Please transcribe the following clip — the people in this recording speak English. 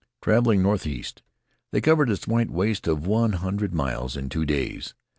Traveling northeast, they covered its white waste of one hundred miles in two days.